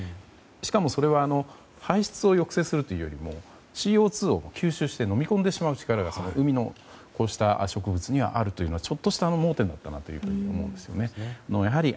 しかもそれは排出を抑制するというよりもＣＯ２を吸収して飲み込んでしまう力が海のこうした植物にはあるというのはちょっとした盲点だったなと思います。